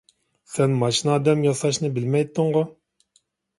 سەن ماشىنا ئادەم ياساشنى بىلمەيتتىڭغۇ؟